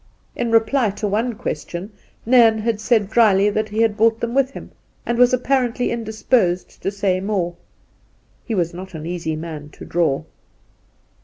In reply to one question, Nairn had said dryly that he had brought them with Jiim, and was apparently indisposed to say more. He was not an easy man to draw.